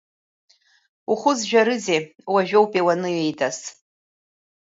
Ухәызжәарызеи, уажәоупеи уаныҩеидас.